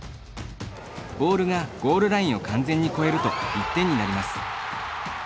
ボールがゴールラインを完全に越えると１点になります。